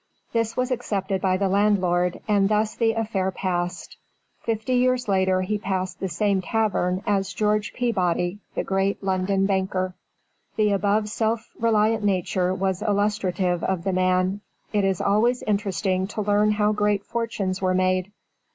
This was accepted by the landlord, and thus the affair passed. Fifty years later he passed the same tavern as George Peabody, the great London banker. The above self reliant nature was illustrative of the man. It is always interesting to learn how great fortunes were made.